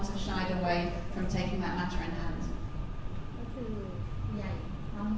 มันส่งพวงออกมาอยากให้มันผิดสนุนและสงบ